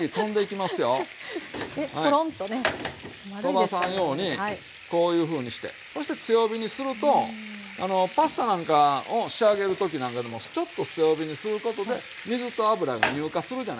飛ばさんようにこういうふうにしてそして強火にするとパスタなんかを仕上げる時なんかでもちょっと強火にすることで水と油が乳化するじゃないですか。